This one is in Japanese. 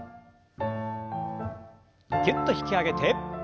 ぎゅっと引き上げて。